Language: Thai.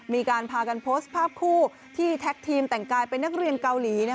มีการพากันโพสต์ภาพคู่ที่แท็กทีมแต่งกายเป็นนักเรียนเกาหลี